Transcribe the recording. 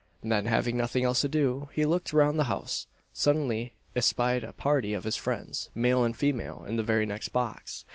Then, having nothing else to do, he looked round the house. Suddenly he espied a party of his friends, male and female, in the very next box.